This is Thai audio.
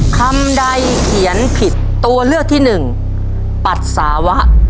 คำใดเขียนผิดตัวเลือกที่หนึ่งปัสสาวะ